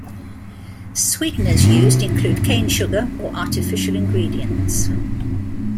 Sweeteners used include cane sugar or artificial ingredients.